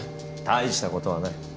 大したことはない。